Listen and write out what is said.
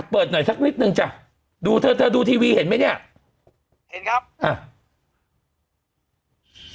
เปิดหน่อยสักนิดนึงจ้ะดูเธอเธอดูทีวีเห็นไหมเนี่ยเห็นครับอ่ะ